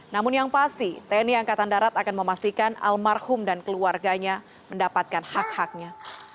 namun yang pasti tni angkatan darat akan memastikan almarhum dan keluarganya mendapatkan hak haknya